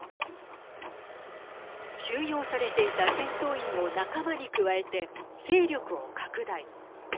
収容されていた戦闘員を仲間に加えて勢力を拡大。